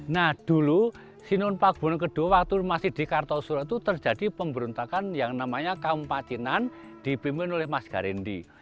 nah dulu sinuun pakubun ii waktu masih di kartosura itu terjadi pemberontakan yang namanya kaumpatinan dipimpin oleh mas garindi